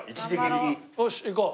よし行こう。